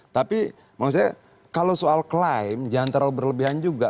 tapi kalau soal klaim jangan terlalu berlebihan juga